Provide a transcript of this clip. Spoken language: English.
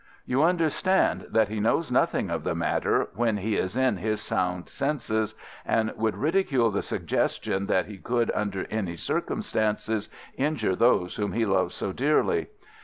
You understand that he knows nothing of the matter when he is in his sound senses, and would ridicule the suggestion that he could under any circumstances injure those whom he loves so dearly.